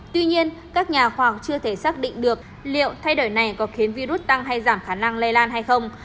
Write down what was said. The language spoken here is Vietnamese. tuy nhiên các nhà khoa học chưa thể xác định được liệu thay đổi này có khiến virus tăng hay giảm khả năng lây lan hay không